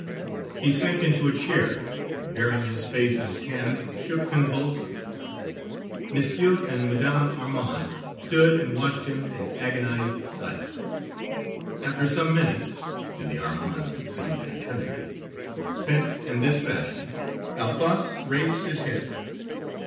He sank into a chair, and, burying his face in his hands, shook convulsively. Monsieur and Madame Armande stood and watched him in agonized silence. After some minutes to the Armandes it seemed an eternity spent in this fashion, Alphonse raised his head.